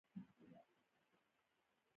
هغه بايد د ايډېسن په يوه دفتر کې کار کړی وای.